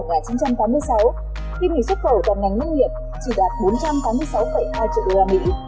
khi nghề xuất khẩu toàn ngành nông nghiệp chỉ đạt bốn trăm tám mươi sáu hai triệu usd